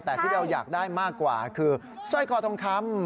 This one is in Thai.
แต่ที่เราอยากได้มากกว่าคือสร้อยคอทองคำ